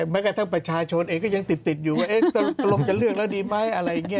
แม้กระทั่งประชาชนเองก็ยังติดอยู่ว่าตกลงจะเลือกแล้วดีไหมอะไรอย่างนี้